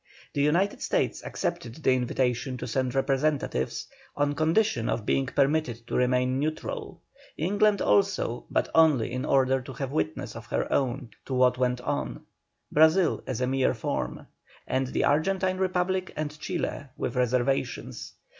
The United States accepted the invitation to send representatives, on condition of being permitted to remain neutral; England also, but only in order to have witnesses of her own to what went on; Brazil as a mere form; and the Argentine Republic and Chile, with reservations.